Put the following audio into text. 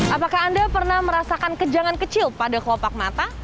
apakah anda pernah merasakan kejangan kecil pada kelopak mata